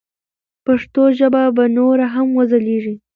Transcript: پښتو ژبه به نوره هم وځلیږي.